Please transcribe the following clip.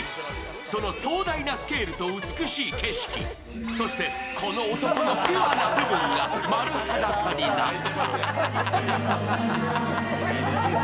その壮大なスケールと美しい景色、そしてこの男のピュアな部分が丸裸になった。